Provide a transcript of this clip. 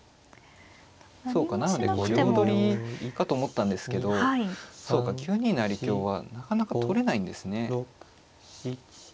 そうかなので両取りかと思ったんですけどそうか９二成香はなかなか取れないんですね。